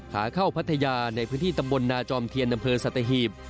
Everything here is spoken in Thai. ขาเข้าพัทยาในพื้นที่ตำบลนาจอมเทียนอำเภอสัตหีบ